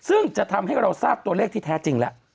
ซึ่งจะทำให้เราทราบตัวเลขที่แท้จริงแล้ว